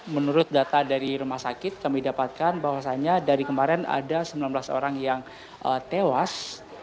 menurut data dari rumah sakit kami dapatkan bahwasannya dari kemarin ada sembilan belas orang yang tewas